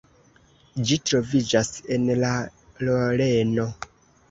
Ĝi troviĝas en la Loreno.